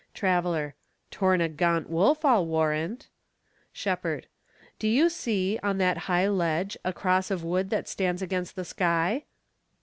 Traveler. Torn a gaunt wolf, I'll warrant. Shepherd. Do you see On that high ledge a cross of wood that stands Against the sky?